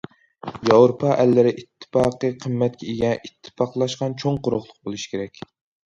ياۋروپا ئەللىرى ئىتتىپاقى قىممەتكە ئىگە، ئىتتىپاقلاشقان چوڭ قۇرۇقلۇق بولۇشى كېرەك.